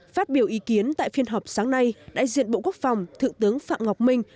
phát biểu ý kiến tại phiên họp sáng nay đại diện bộ quốc phòng thượng tướng phạm ngọc minh